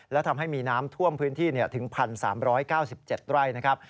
และทำให้มีน้ำท่วมพื้นที่ถึง๑๓๙๗ไร่นะครับ